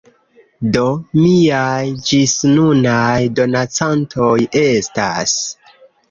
Do miaj ĝisnunaj donacantoj estas